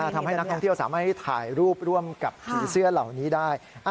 ทำให้นักท่องเที่ยวสามารถให้ถ่ายรูปร่วมกับผีเสื้อเหล่านี้ได้